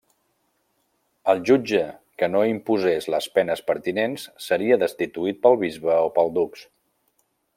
El jutge que no imposés les penes pertinents seria destituït pel bisbe o pel dux.